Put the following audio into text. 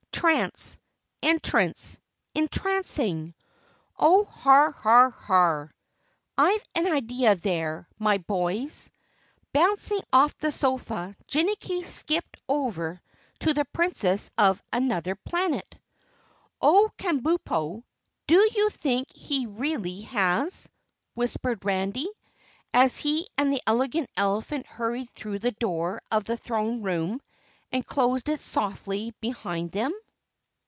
Trance entrance entrancing. Oh, har, har, har! I've an idea there, my boys!" Bouncing off the sofa, Jinnicky skipped over to the Princess of Anuther Planet. "Oh, Kabumpo! Do you think he really has?" whispered Randy, as he and the Elegant Elephant hurried through the door of the throne room and closed it softly behind them.